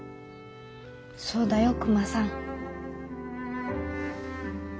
そうだよクマさん。